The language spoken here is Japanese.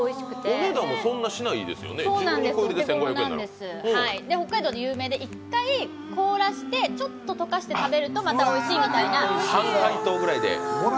お手頃なんです、北海道で有名で、１回凍らせてちょっと溶かして食べると、またおいしいみたいな。